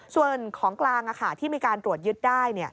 ส่วนของกลางที่มีการตรวจยึดได้